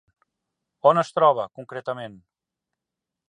On es troba, concretament?